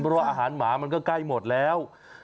เพราะว่าอาหารหมามันก็ใกล้หมดแล้ว